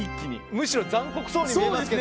むしろ残酷そうに見えますけど。